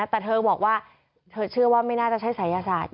แต่เธอบอกว่าเธอเชื่อว่าไม่น่าจะใช่ศัยศาสตร์